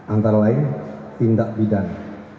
antara lain tindak pidana